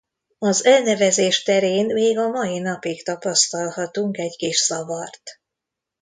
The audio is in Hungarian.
Az elnevezés terén még a mai napig tapasztalhatunk egy kis zavart.